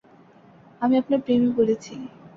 আমি আপনার প্রেমে পড়েছি।